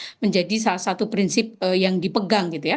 dan bagaimana hak asasi manusia menjadi salah satu prinsip yang dipegang gitu ya